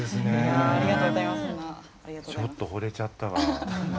ちょっとほれちゃったわ。